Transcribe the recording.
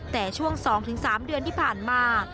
แต่ช่วง๒๓เดือนที่ผ่านมา